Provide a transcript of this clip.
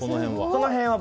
この辺は。